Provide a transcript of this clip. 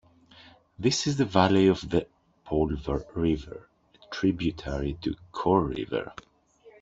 This is the valley of the Polvar River, a tributary to Kor River.